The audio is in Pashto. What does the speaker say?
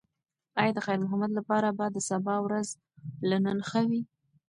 ایا د خیر محمد لپاره به د سبا ورځ له نن ښه وي؟